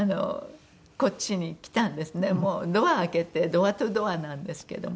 もうドア開けてドア・ツー・ドアなんですけども。